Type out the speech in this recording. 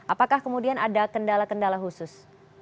apakah kemudian ada kendala kendala khusus